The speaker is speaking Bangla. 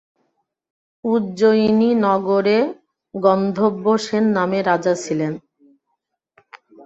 উজ্জয়িনী নগরে গন্ধর্বসেন নামে রাজা ছিলেন।